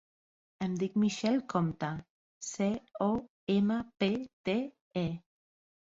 Em dic Michelle Compte: ce, o, ema, pe, te, e.